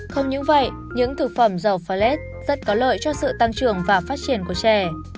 không những vậy những thực phẩm dầu freellate rất có lợi cho sự tăng trưởng và phát triển của trẻ